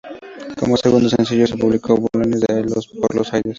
Como segundo sencillo se publicó "Balones por los aires".